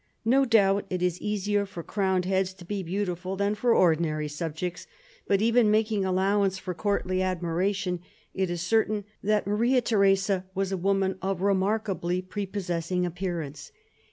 No doubt it is easier for crowned heads to be beautiful than for ordinary subjects; but even making allowance for courtly admiration, it is certain that Maria Theresa was a woman of remarkably prepossessing appearance.